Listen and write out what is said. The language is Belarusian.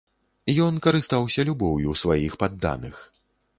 Ён карыстаўся любоўю сваіх падданых.